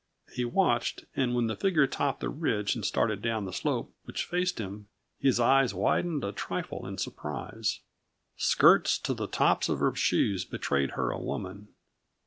He watched, and when the figure topped the ridge and started down the slope which faced him, his eyes widened a trifle in surprise. Skirts to the tops of her shoes betrayed her a woman.